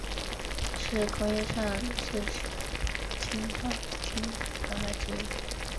是工业上制取氰化氢的方法之一。